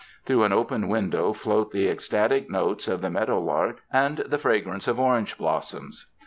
Through an open window tioat the eostat it notes of the meadow lark and the fragrance of or ange blossoms.